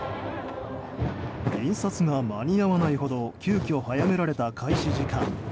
印刷が間に合わないほど急きょ早められた開始時間。